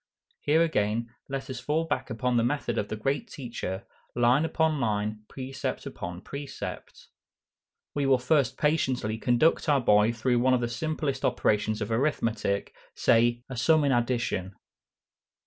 Here again let us fall back upon the method of the great Teacher, "Line upon line, precept upon precept." We will first patiently conduct our boy through one of the simplest operations of arithmetic, say, a sum in addition.